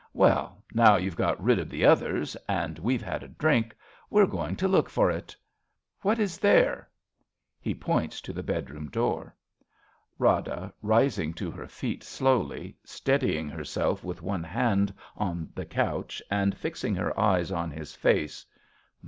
Well, now you've got rid of the others, and we've had a drink, we're going to look for it. What is there ? {He points to the bedi^oom door.) Rada {rising to her feet sloivly, steadying herself ivith one hand on the couch and fixing her eyes on his face).